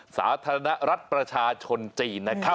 สาธารณรัฐประชาชนจีนนะครับ